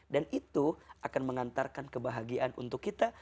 dan itu akan mengantarkan kebahagiaan untuk kita